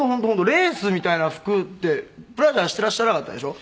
レースみたいな服でブラジャーしてらっしゃらなかったでしょ？」